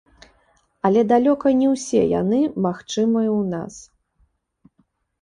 Але далёка не ўсе яны магчымыя ў нас.